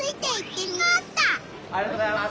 ありがとうございます。